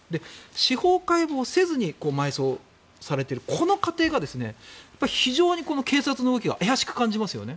司法解剖せずに埋葬されているこの過程が非常に警察の動きが怪しく感じますよね。